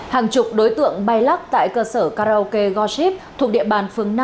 hàng chục đối tượng bay lắc tại cơ sở karaoke gorship thuộc địa bàn phương năm